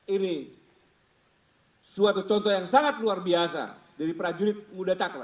ini suatu contoh yang sangat luar biasa dari prajurit muda cakra